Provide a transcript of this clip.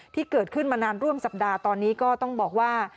ที่เกิดขึ้นมานานร่วมสัปดาห์ตอนนี้ก็ต้องบอกว่า